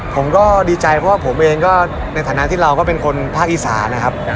ผมก็ดีใจเพราะว่าผมเองก็ในฐานะที่เราก็เป็นคนภาคอีสานนะครับ